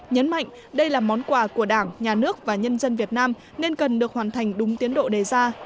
nhấn mạnh đây là món quà của đảng nhà nước và nhân dân việt nam nên cần được hoàn thành đúng tiến độ đề ra